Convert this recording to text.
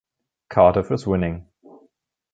Cardiff is winning.